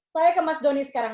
saya ke mas doni sekarang